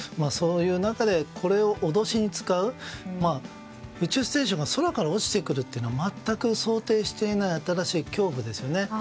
そういう中でこれを脅しに使う宇宙ステーションが空から落ちてくるなんて全く想定していない新しい恐怖ですね。